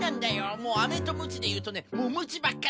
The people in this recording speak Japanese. もうあめとむちでいうとねもうむちばっかり。